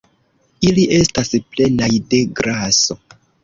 Ili estas plenaj de graso